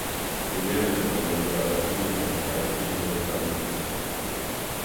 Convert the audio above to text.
Լյումիեր եղբայրների առաջին և ամենահայտնի կինոնկարներից է։